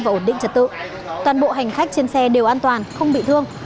và ổn định trật tự toàn bộ hành khách trên xe đều an toàn không bị thương